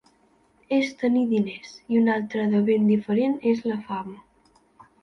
És tenir diners i una altra de ben diferent és la fama.